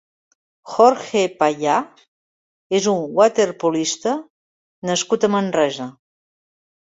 Jorge Payá és un waterpolista nascut a Manresa.